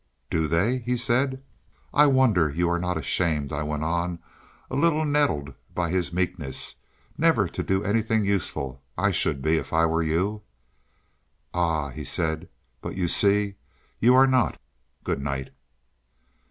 "Do they?" he said. "I wonder you are not ashamed," I went on, a little nettled by his meekness, "never to do anything useful. I should be, if I were you." "Ah," he said, "but you see you are not. Good night."